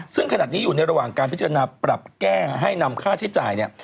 ซึ่งขณะนี้อยู่ในระหว่างการพิจารณาปรับแก้ให้นำค่าใช้จ่ายเนี่ย